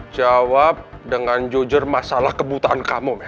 jawab dengan jujur masalah kebutaan kamu